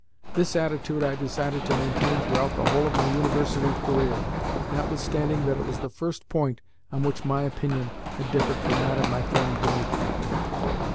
This attitude I decided to maintain throughout the whole of my University career, notwithstanding that it was the first point on which my opinion had differed from that of my friend Dimitri.